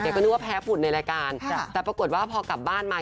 ก็นึกว่าแพ้ฝุ่นในรายการแต่ปรากฏว่าพอกลับบ้านมา